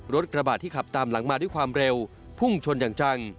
กระบาดที่ขับตามหลังมาด้วยความเร็วพุ่งชนอย่างจัง